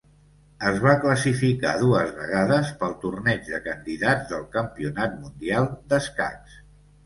Es va classificar dues vegades pel Torneig de candidats del Campionat mundial d'escacs.